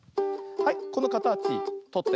はいこのかたちとって。